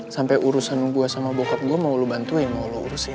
sampai urusan gue sama bokap gue mau lo bantuin mau lo urusin